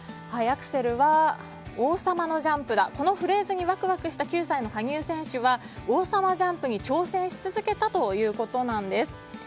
アクセルは王様のジャンプだこのフレーズにワクワクした９歳の羽生選手は王様ジャンプに挑戦し続けたということなんです。